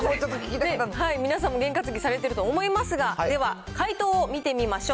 皆さんもゲン担ぎされてると思いますが、では解答を見てみましょう。